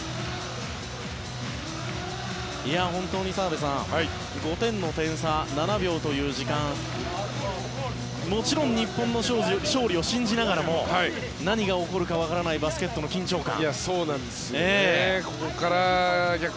本当に澤部さん５点の点差、７秒という時間もちろん日本の勝利を信じながらも何が起こるかわからないバスケットの緊張感。